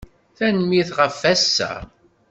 Tanemmirt ɣef wass-a.